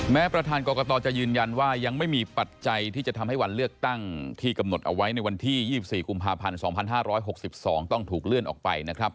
ประธานกรกตจะยืนยันว่ายังไม่มีปัจจัยที่จะทำให้วันเลือกตั้งที่กำหนดเอาไว้ในวันที่๒๔กุมภาพันธ์๒๕๖๒ต้องถูกเลื่อนออกไปนะครับ